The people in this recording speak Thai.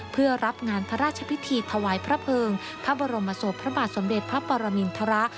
เพื่อรับงานพระราชพิธีถวายพระเภิงพระบรมศพพระบาทสมเด็จพระปรมินทร